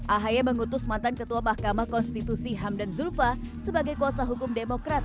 ahy mengutus mantan ketua mahkamah konstitusi hamdan zulfa sebagai kuasa hukum demokrat